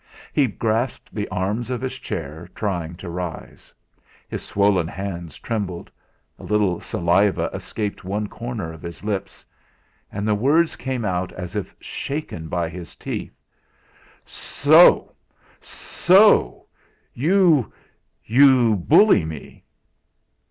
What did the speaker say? He grasped the arms of his chair, trying to rise; his swollen hands trembled; a little saliva escaped one corner of his lips. And the words came out as if shaken by his teeth: "So so you you bully me!"